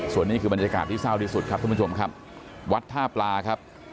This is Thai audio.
ส่วนนี้คือบรรยากาศที่เศร้าที่สุดครับทุกผู้ชมครับวัดท่าปลาครับ